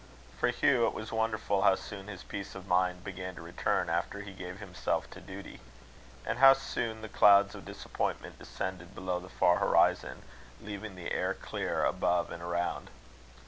For Hugh, it was wonderful how soon his peace of mind began to return after he gave himself to his duty, and how soon the clouds of disappointment descended below the far horizon, leaving the air clear above and around.